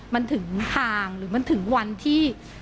มันถึงห่างหรือมันถึงวันที่